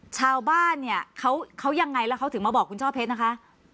ชาวบ้านเนี่ยเขายังไงแล้วเขาถึงมาบอกคุณช่อเพชรนะคะ